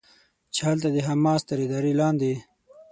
چې هلته د حماس تر ادارې لاندې